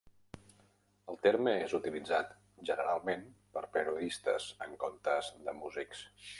El terme és utilitzat generalment per periodistes en comptes de músics.